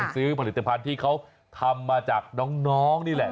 ซื้อผลิตภัณฑ์ที่เขาทำมาจากน้องนี่แหละ